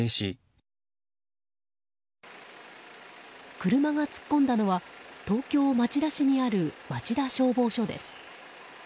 車が突っ込んだのは東京・町田市にある町田消防署です。